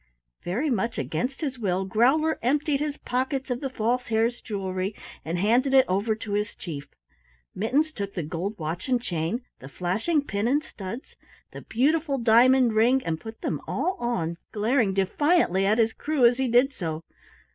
Very much against his will, Growler emptied his pockets of the False Hare's jewelry and handed it over to his Chief. Mittens took the gold watch and chain, the flashing pin and studs, the beautiful diamond ring and put them all on, glaring defiantly at his crew as he did so.